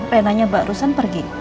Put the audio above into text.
renanya barusan pergi